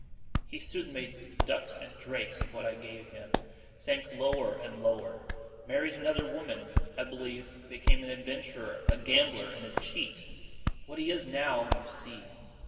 He soon made ducks and drakes of what I gave him, sank lower and lower, married another woman, I believe, became an adventurer, a gambler, and a cheat. What he is now, you see.